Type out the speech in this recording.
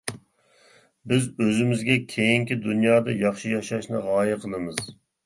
بىز ئۆزىمىزگە كېيىنكى دۇنيادا ياخشى ياشاشنى غايە قىلىمىز.